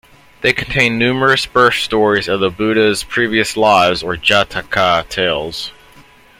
They contain numerous birth stories of the Buddha's previous lives, or Jataka tales.